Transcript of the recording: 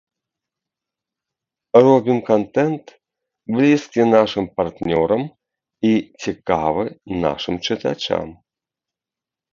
Робім кантэнт, блізкі нашым партнёрам і цікавы нашым чытачам.